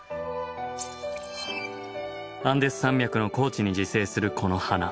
アンデス山脈の高地に自生するこの花。